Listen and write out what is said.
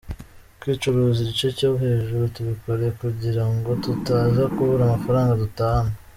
Kwicuruza igice cyo hejuru tubikora kugira ngo tutaza kubura amafaranga dutahana.